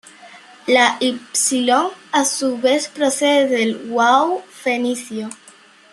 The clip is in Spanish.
La ípsilon a su vez procede del wau fenicio.